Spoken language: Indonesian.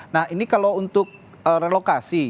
nah ini kalau untuk relokasi